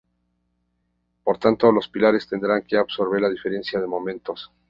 Por tanto, los pilares tendrán que absorber la diferencia de momentos.